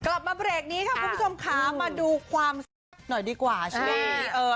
กลับมาเพลงนี้ค่ะคุณผู้ชมค้ามาดูความหัวหน่อยดีกว่าสิ